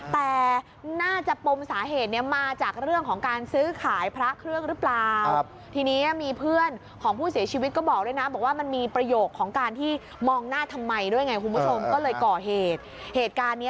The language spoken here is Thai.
แต่น่าจะปมสาเหตุเนี่ยมาจากเรื่องของการซื้อขายพระเครื่องหรือเปล่า